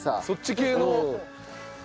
そっち系の。